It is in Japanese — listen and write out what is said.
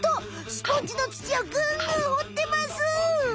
スポンジの土をぐんぐんほってます！